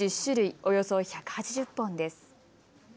およそ１８０本です。